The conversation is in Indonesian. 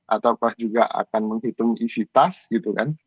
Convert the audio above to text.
atau apakah juga akan menghitung isi tas gitu kan